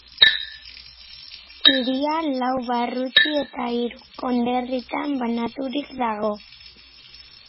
Hiria lau barruti eta hiru konderritan banaturik dago.